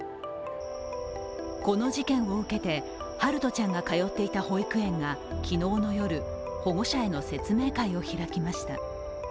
この事件を受けて陽翔ちゃんが通っていた保育園が昨日の夜、保護者への説明会を開きました。